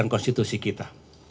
yang konstitusi kita